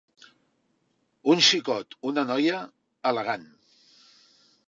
Un xicot, una noia, elegant.